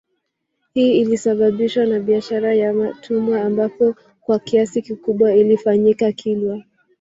Hii ilisababishwa na bishara ya watumwa ambapo kwa kiasi kikubwa ilifanyika Kilwa